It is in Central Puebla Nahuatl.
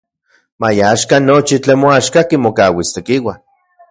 Maya axkan nochi tlen moaxka kimokauis Tekiua.